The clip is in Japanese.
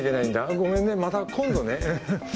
ごめんねまた今度ねハハッ。